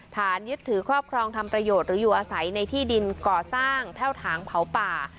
ฐานยึดถือครอบครองทำประโยชน์หรืออยู่อาศัยในที่ดินก่อสร้างแท่วถางเผาป่า